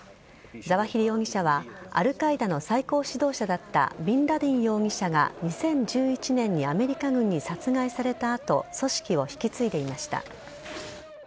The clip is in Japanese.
ザワヒリ容疑者は、アルカイダの最高指導者だったビンラディン容疑者が２０１１年にアメリカ軍に殺害されたあと、組織を引き継いでいました。